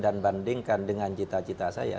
dan bandingkan dengan cita cita saya